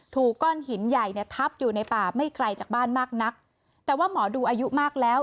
ถูกก้อนหินใหญ่เนี่ยทับอยู่ในป่าไม่ไกลจากบ้านมากนักแต่ว่าหมอดูอายุมากแล้ว